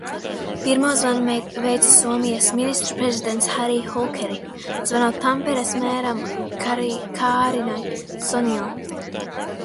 Pirmo zvanu veica Somijas ministru prezidents Hari Holkeri, zvanot Tamperes mēram Kārinai Sonio.